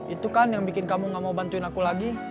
itu kan yang bikin kamu gak mau bantuin aku lagi